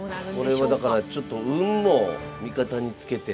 これはだからちょっと運も味方に付けて。